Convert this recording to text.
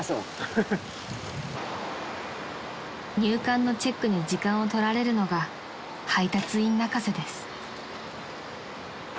［入館のチェックに時間を取られるのが配達員泣かせです］